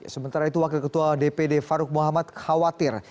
sementara itu wakil ketua dpd farouk muhammad khawatir